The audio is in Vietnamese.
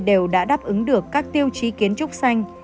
đều đã đáp ứng được các tiêu chí kiến trúc xanh